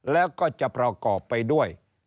แล้วก็จะประกอบไปด้วย